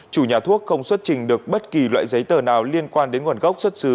chủ nhà thuốc không xuất trình được bất kỳ loại giấy tờ nào liên quan đến nguồn gốc xuất xứ